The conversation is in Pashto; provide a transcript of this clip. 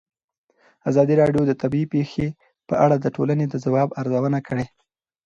ازادي راډیو د طبیعي پېښې په اړه د ټولنې د ځواب ارزونه کړې.